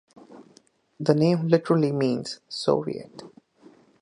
The name literally means "Soviet".